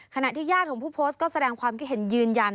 ขณะที่ญาติของผู้โพสต์ก็แสดงความคิดเห็นยืนยัน